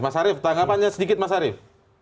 mas arief tanggapannya sedikit mas arief